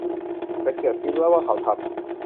ฉันเกือบคิดแล้วว่าเขาทำ